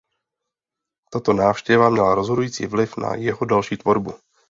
Tato návštěva měla rozhodující vliv na jeho další tvorbu.